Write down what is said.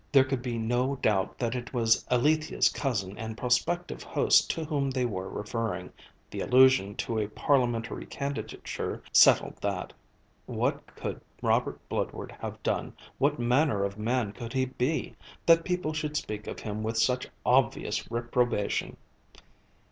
There could be no doubt that it was Alethia's cousin and prospective host to whom they were referring; the allusion to a Parliamentary candidature settled that. What could Robert Bludward have done, what manner of man could he be, that people should speak of him with such obvious reprobation?